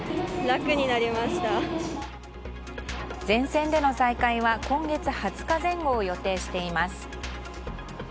全線での再開は今月２０日前後を予定しています。